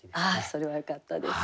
それはよかったです。